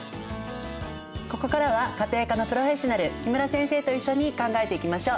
ここからは家庭科のプロフェッショナル木村先生と一緒に考えていきましょう。